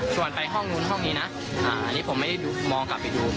ส่วนไปห้องนู้นห้องนี้นะอันนี้ผมไม่ได้มองกลับไปดู